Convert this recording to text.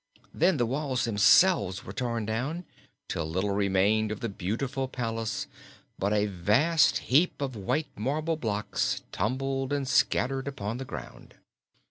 Then the walls themselves were torn down, till little remained of the beautiful palace but a vast heap of white marble blocks tumbled and scattered upon the ground.